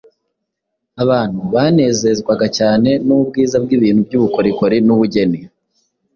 Abantu banezezwaga cyane n’ubwiza bw’ibintu by’ubukorokori n’ubugeni.